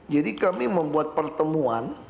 jadi kami membuat pertemuan